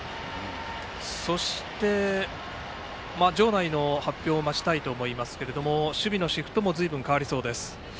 そして、場内の発表を待ちたいと思いますが守備のシフトもずいぶん変わりそうです。